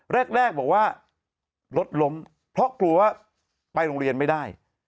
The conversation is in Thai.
แรกบอกว่ารถล้มเพราะกลัวว่าไปโรงเรียนไม่ได้